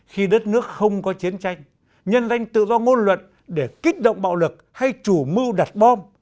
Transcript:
khi đất nước không có chiến tranh nhân danh tự do ngôn luận để kích động bạo lực hay chủ mưu đặt bom